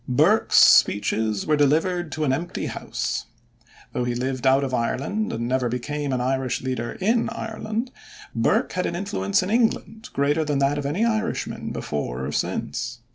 Burke's speeches were delivered to an empty house. Though he lived out of Ireland and never became an Irish leader in Ireland, Burke had an influence in England greater than that of any Irishman before or since.